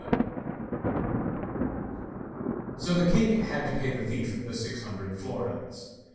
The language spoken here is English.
So the king had to pay the thief the six hundred florins.